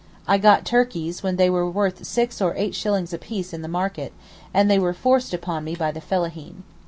I got turkeys when they were worth six or eight shillings apiece in the market, and they were forced upon me by the fellaheen.